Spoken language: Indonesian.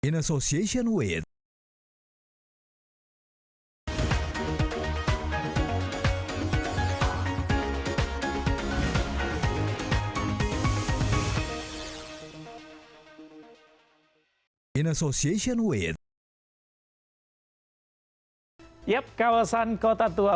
tak mungkin magnets bukti